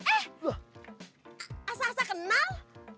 eh asal asal kenal